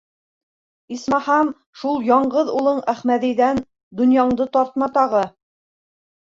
Исмаһам, шул яңғыҙ улың Әхмәҙиҙән донъяңды тартма тағы.